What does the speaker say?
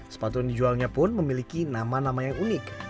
sepatu yang dijualnya pun memiliki nama nama yang unik